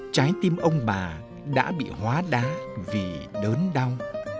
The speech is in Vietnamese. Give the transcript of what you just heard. trái tim ông bà đã bị hóa đá vì đớn đau